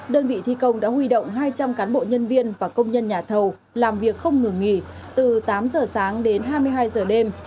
đơn vị thi công đã huy động hai trăm linh cán bộ nhân viên và công nhân nhà thầu làm việc không ngừng nghỉ từ tám giờ sáng đến hai mươi hai giờ đêm